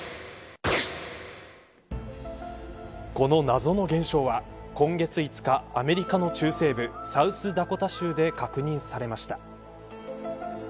この謎の現象は今月５日、アメリカの中西部サウスダコタ州で確認されました。